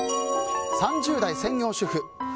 ３０代専業主婦。